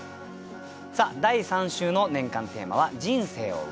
さあ第３週の年間テーマは「人生を詠う」。